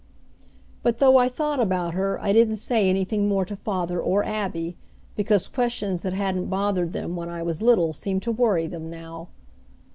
But though I thought about her I didn't say anything more to father or Abby, because questions that hadn't bothered them when I was little seemed to worry them now.